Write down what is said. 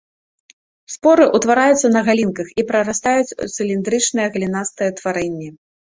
Споры ўтвараюцца на галінках і прарастаюць у цыліндрычнае галінастае ўтварэнне.